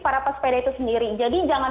para pesepeda itu sendiri jadi jangan